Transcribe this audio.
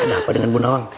ada apa dengan bu nawang